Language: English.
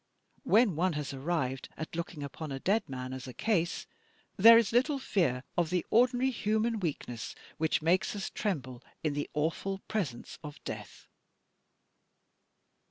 When one has arrived at looking upon a dead man as a Case, there is little fear of the ordinary human weakness which makes us tremble in the awful presence of death.